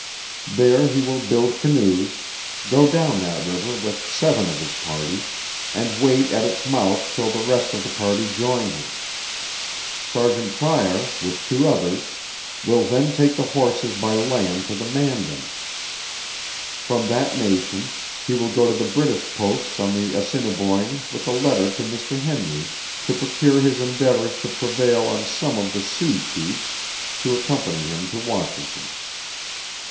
There he will build canoes, go down that river with seven of his party, and wait at its mouth till the rest of the party join him. Sergeant Pryor, with two others, will then take the horses by land to the Mandans. From that nation he will go to the British posts on the Assiniboin with a letter to Mr. Henry, to procure his endeavors to prevail on some of the Sioux chiefs to accompany him to Washington."